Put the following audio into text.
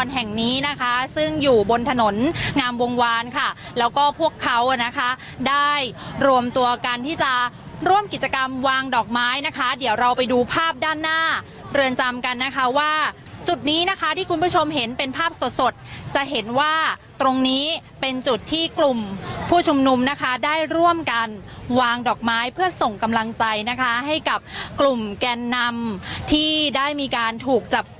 แห่งนี้นะคะซึ่งอยู่บนถนนงามวงวานค่ะแล้วก็พวกเขานะคะได้รวมตัวกันที่จะร่วมกิจกรรมวางดอกไม้นะคะเดี๋ยวเราไปดูภาพด้านหน้าเรือนจำกันนะคะว่าจุดนี้นะคะที่คุณผู้ชมเห็นเป็นภาพสดสดจะเห็นว่าตรงนี้เป็นจุดที่กลุ่มผู้ชุมนุมนะคะได้ร่วมกันวางดอกไม้เพื่อส่งกำลังใจนะคะให้กับกลุ่มแกนนำที่ได้มีการถูกจับ